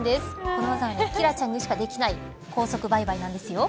この技はキラちゃんにしかできない高速バイバイなんですよ。